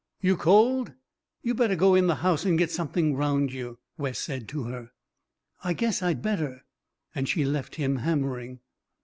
"You cold? You better go in the house and get something round you," Wes said to her. "I guess I'd better." And she left him hammering.